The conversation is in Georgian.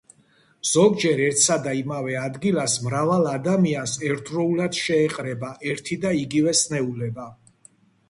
ზოგჯერ ერთსა და იმავე ადგილას მრავალ ადამიანს ერთდროულად შეეყრება ერთი და იგივე სნეულება.